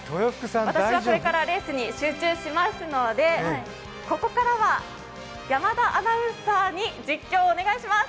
私はレースに集中しますのでここからは山田アナウンサーに実況をお願いします。